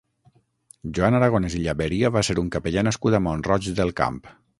Joan Aragonès i Llaberia va ser un capellà nascut a Mont-roig del Camp.